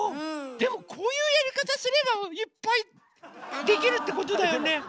でもこういうやり方すればいっぱいできるってことだよね。